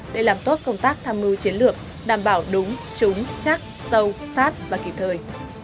để làm tốt công tác tham mưu chiến lược đảm bảo đúng trúng chắc sâu sát và kịp thời